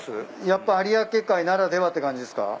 やっぱ有明海ならではって感じっすか？